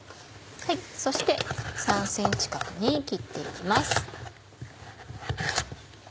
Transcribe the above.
そして３ｃｍ角に切って行きます。